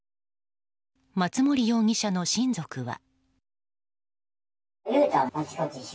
松森容疑者の親族は。